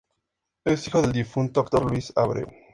Es hijo del difunto actor Luis Abreu.